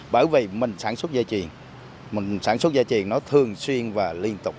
bởi vì mình sản xuất gia truyền mình sản xuất gia truyền nó thường xuyên và liên tục